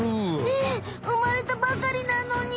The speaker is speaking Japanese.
え産まれたばかりなのに。